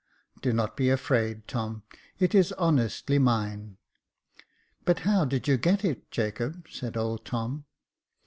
" Do not be afraid, Tom, it is honestly mine." " But how did you get it, Jacob ?" said old Tom.